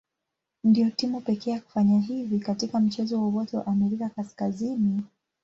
Ndio timu pekee ya kufanya hivi katika mchezo wowote wa Amerika Kaskazini.